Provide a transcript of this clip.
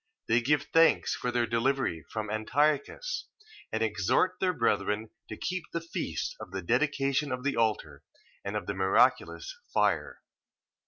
They give thanks for their delivery from Antiochus: and exhort their brethren to keep the feast of the dedication of the altar, and of the miraculous fire.